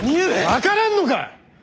分からんのか！